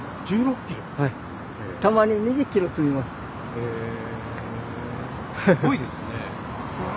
へえすごいですね。